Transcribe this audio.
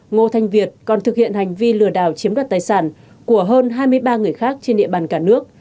ngô thanh việt còn thực hiện hành vi lừa đảo chiếm đoạt tài sản của hơn hai mươi ba người khác trên địa bàn cả nước